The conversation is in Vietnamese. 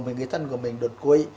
người thân của mình đột quỵ